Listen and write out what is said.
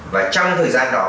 và trong thời gian đó